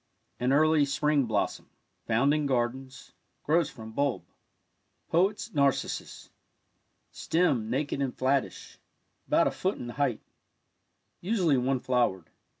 An early spring blossom— found in gardens — grows from bulb. Poet's Narcissus. — Stem naked and flattish — about a foot in height — usually one flowered.